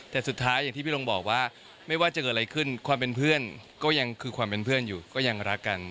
แต่สุดท้ายอย่างที่พี่ลงบอกว่าไม่ว่าจะเกิดอะไรขึ้นความเป็นเพื่อนก็ยังคือความเป็นเพื่อนอยู่ก็ยังรักกัน